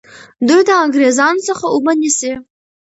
دوی د انګریزانو څخه اوبه نیسي.